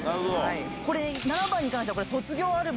これ７番に関しては。